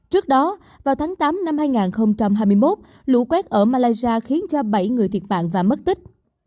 trước đó vào tháng tám năm hai nghìn hai mươi một lũ quét ở malaysia khiến cho bảy người thiệt mạng và mất tích